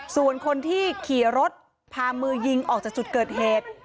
ส่วนคนที่ขี่รถพามือยิงออกจากจุดเกิดเหตุ